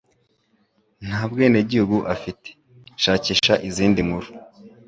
nta bwenegihugu afite. SHAKISHA IZINDI NKURU